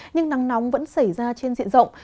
nhưng nắng nóng vẫn xảy ra trên diện rộng